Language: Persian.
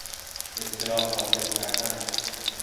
اطلاع حاصل کردن